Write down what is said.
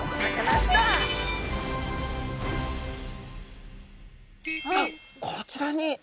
あっこちらに。